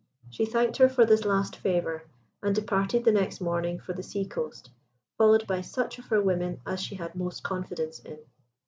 She thanked her for this last favour, and departed the next morning for the sea coast, followed by such of her women as she had most confidence in.